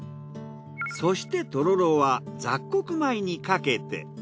そしてとろろは雑穀米にかけて。